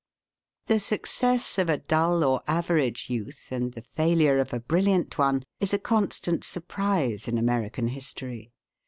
The success of a dull or average youth and the failure of a brilliant one is a constant surprise in American history.